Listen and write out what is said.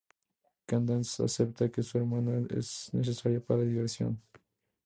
Candace acepta que su hermano es necesario para la diversión.